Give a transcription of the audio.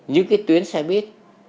những cái tuyến xe buýt